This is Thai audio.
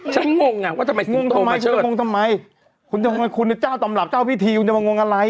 ฉันงงง่ะว่าทำไมสิงโตมาเชิดคุณจ้าต่ำหลับเจ้าพี่ทีคุณจะมางงอะไร